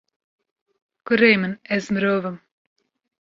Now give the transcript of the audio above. Kurê min, ez mirov im.